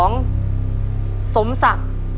ขอเชิญแม่จำรูนขึ้นมาต่อชีวิต